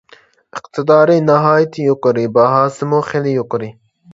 ئىقتىدارى ناھايىتى يۇقىرى، باھاسىمۇ خىلى يۇقىرى.